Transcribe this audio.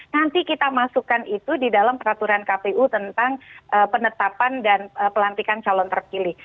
nanti kita masukkan itu di dalam peraturan kpu tentang penetapan dan pelantikan calon terpilih